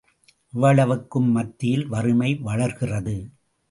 இவ்வளவுக்கும் மத்தியில் வறுமை வளர்கிறது.